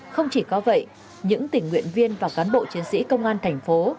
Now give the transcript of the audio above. không chỉ có vậy những tình nguyện viên và cán bộ chiến sĩ công an thành phố